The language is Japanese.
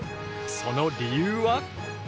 その理由は？